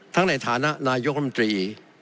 ทั้งในฐานะนายกลุ่มตรี